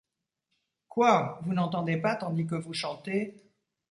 Quoi ! vous n'entendez pas, tandis que vous chantez